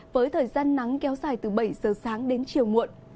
với thời gian nắng kéo dài từ bảy giờ sáng đến chiều muộn